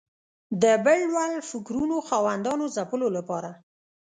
د بل وړ فکرونو خاوندانو ځپلو لپاره